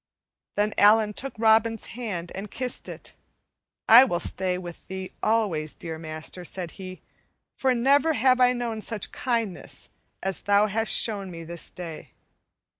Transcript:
Then Allan took Robin's hand and kissed it. "I will stay with thee always, dear master," said he, "for never have I known such kindness as thou hast shown me this day."